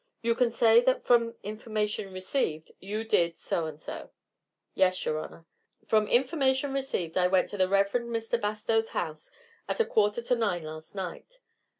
You can say that from information received you did so and so." "Yes, your honor. From information received I went to the Rev. Mr. Bastow's house, at a quarter to nine last night.